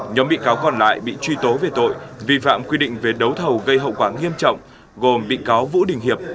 nhóm bị cáo còn lại bị truy tố về tội vi phạm quy định về đấu thầu gây hậu quả nghiêm trọng gồm bị cáo vũ đình hiệp